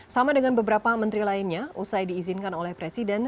sama dengan beberapa menteri lainnya usai diizinkan oleh presiden